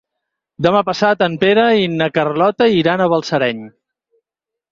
Demà passat en Pere i na Carlota iran a Balsareny.